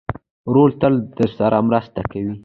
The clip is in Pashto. ورور تل درسره مرسته کوي.